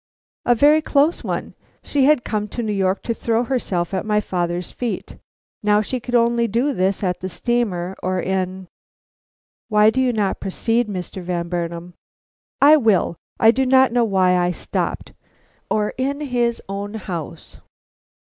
"A very close one. She had come to New York to throw herself at my father's feet. Now she could only do this at the steamer or in " "Why do you not proceed, Mr. Van Burnam?" "I will. I do not know why I stopped, or in his own house."